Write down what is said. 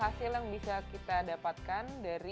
hasil yang bisa kita dapatkan dari